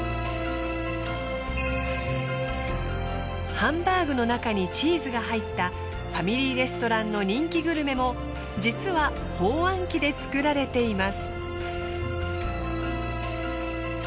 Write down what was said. ハンバーグの中にチーズが入ったファミリーレストランの人気グルメも実は包あん機で作られています。